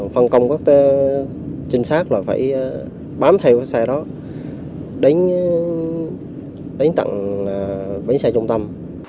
phân công các trinh sát là phải bám theo xe đó đánh đánh tặng bánh xe trung tâm